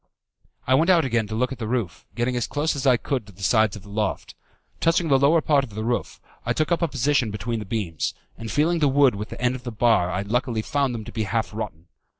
I went out again to look at the roof, getting as close as I could to the sides of the loft. Touching the lower part of the roof, I took up a position between the beams, and feeling the wood with the end of the bar I luckily found them to be half rotten.